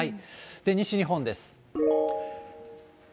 西日本です。